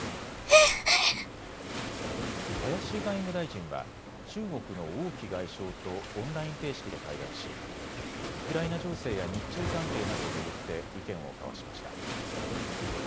林外務大臣は中国の王毅外相とオンライン形式で会談しウクライナ情勢や日中関係などを巡って意見を交わしました。